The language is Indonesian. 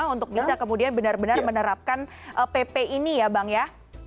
untuk bisa kemudian benar benar menerapkan pp ini ya bang ya